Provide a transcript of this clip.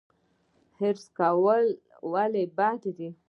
حرص کول ولې بد دي؟